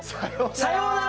さよなら。